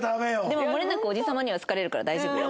でももれなくおじ様には好かれるから大丈夫よ。